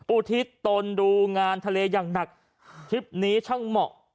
อุทิศตนดูงานทะเลอย่างหนักคลิปนี้ช่างเหมาะ